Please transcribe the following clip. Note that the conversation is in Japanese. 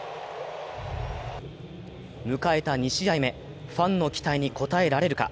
迎えた２試合目、ファンの期待に応えられるか。